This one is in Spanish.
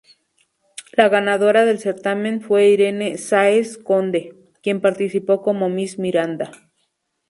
La ganadora del certamen fue Irene Sáez Conde, quien participó como Miss Miranda.